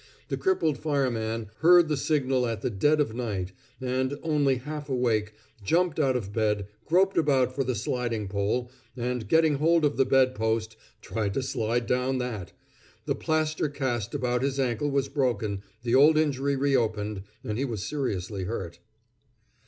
The crippled fireman heard the signal at the dead of night, and, only half awake, jumped out of bed, groped about for the sliding pole, and, getting hold of the bedpost, tried to slide down that. The plaster cast about his ankle was broken, the old injury reopened, and he was seriously hurt.